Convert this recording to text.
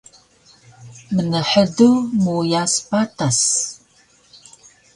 Mnhdu muyas patas